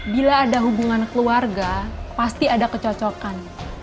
bila ada hubungan keluarga pasti ada kecocokan